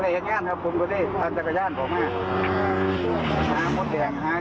คือมดแูงงนัตกัด